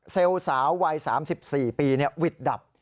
เซลล์สาววัย๓๔ปีวิทย์ดับ